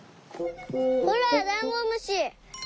ほらダンゴムシ！